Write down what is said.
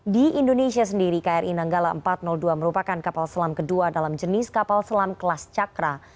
di indonesia sendiri kri nanggala empat ratus dua merupakan kapal selam kedua dalam jenis kapal selam kelas cakra